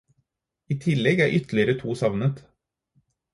I tillegg er ytterligere to savnet.